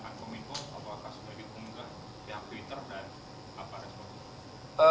diang twitter dan apa lain sebagainya